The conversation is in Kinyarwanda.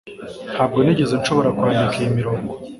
ntabwo nigeze nshobora kwandika iyi mirongo